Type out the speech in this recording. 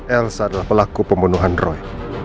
elsa adalah pelaku pembunuhan roy